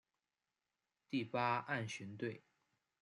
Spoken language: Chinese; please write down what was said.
第八岸巡队